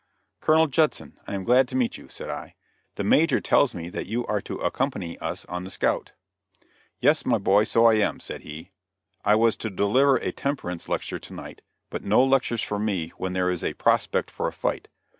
"Colonel Judson, I am glad to meet you," said I; "the Major tells me that you are to accompany us on the scout." "Yes, my boy, so I am," said he; "I was to deliver a temperance lecture to night, but no lectures for me when there is a prospect for a fight.